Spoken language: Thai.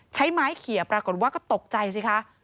ใช้ไม้เขียปรากฏว่าก็ตกใจสิคะ